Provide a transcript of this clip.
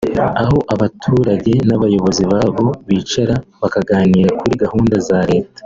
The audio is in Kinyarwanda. aho abaturage n’abayobozi babo bicara bakaganira kuri gahunda za Leta